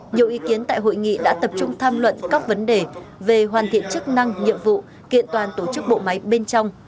nhiều ý kiến tại hội nghị đã tập trung tham luận các vấn đề về hoàn thiện chức năng nhiệm vụ kiện toàn tổ chức bộ máy bên trong